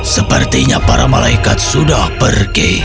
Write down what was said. sepertinya para malaikat sudah pergi